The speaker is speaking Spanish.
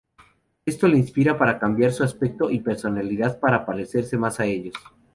Esto le inspira para cambiar su aspecto y personalidad para parecerse más a ellos.